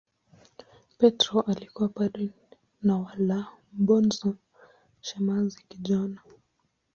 Petro alikuwa padri na Valabonso shemasi kijana.